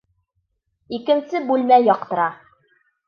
Икенсе бүлмә яҡтыра.